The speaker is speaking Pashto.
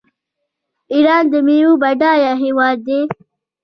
ایران د میوو بډایه هیواد دی.